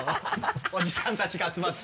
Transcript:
おじさんたちが集まって。